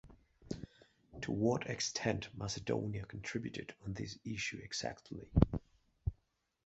To what extent Macedonia contributed on this issue exactly?